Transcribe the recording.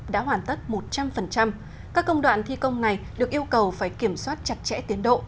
đã hoàn tất một trăm linh các công đoạn thi công này được yêu cầu phải kiểm soát chặt chẽ tiến độ